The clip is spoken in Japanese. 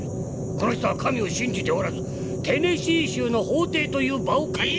この人は神を信じておらずテネシー州の法廷という場を借りて。